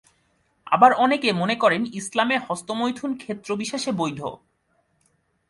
আবার অনেকে মনে করেন ইসলামে হস্তমৈথুন ক্ষেত্রবিশেষে বৈধ।